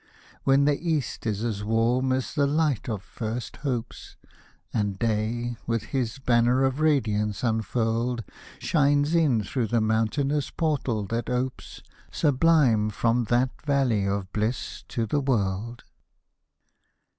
When the East is as warm as the light of first hopes. And Day, with his banner of radiance unfurled, Shines in through the mountainous portal that opes. Sublime, from that Valley of bliss to the world